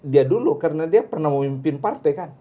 dia dulu karena dia pernah memimpin partai kan